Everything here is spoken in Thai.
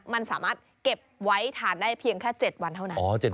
มันสามารถเก็บไว้ทานได้เพียงแค่๗วันเท่านั้น